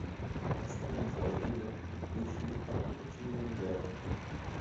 Esta camisola de lã deixa-me tão quentinho no inverno.